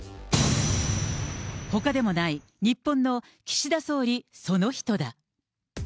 ほかでもない、日本の岸田総理その人だ。